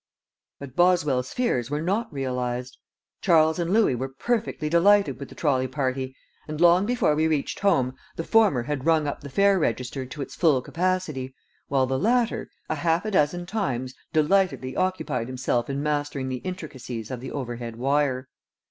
But Boswell's fears were not realized. Charles and Louis were perfectly delighted with the trolley party, and long before we reached home the former had rung up the fare register to its full capacity, while the latter, a half a dozen times, delightedly occupied himself in mastering the intricacies of the overhead wire.